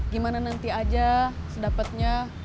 gimana nanti aja sedapetnya